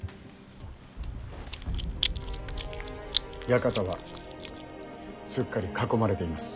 館はすっかり囲まれています。